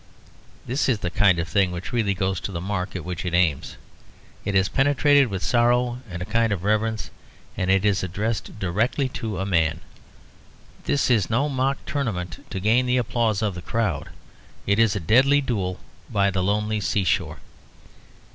This is the kind of thing which really goes to the mark at which it aims. It is penetrated with sorrow and a kind of reverence, and it is addressed directly to a man. This is no mock tournament to gain the applause of the crowd. It is a deadly duel by the lonely seashore.